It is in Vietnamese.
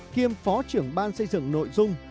khiêm phó trưởng ban xây dựng nội dung